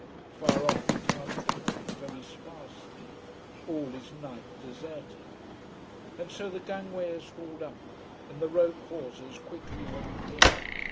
Far off the town twinkles very sparsely. All is night deserted. And so the gangway is hauled up, and the rope hawsers quickly wound in.